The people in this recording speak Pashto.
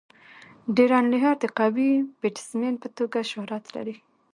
ډیرن لیهر د قوي بيټسمېن په توګه شهرت لري.